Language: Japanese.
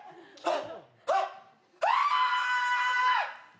あっ！